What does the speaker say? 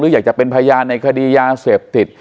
อยากจะเป็นพยานในคดียาเสพติด